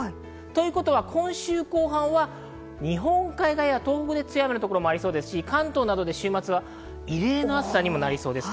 ということは、今週後半は日本海側や東北に強い雨のところもありますし、関東は異例の暑さになりそうです。